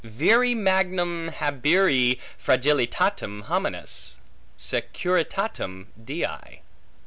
Vere magnum habere fragilitatem hominis, securitatem Dei.